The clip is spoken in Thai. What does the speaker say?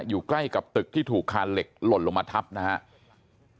อยู่ใกล้กับตึกที่ถูกคานเหล็กหล่นลงมาทับนะครับ